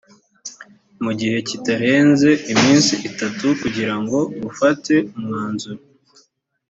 mu gihe kitarenze iminsi itatu kugirango rufate umwanzuro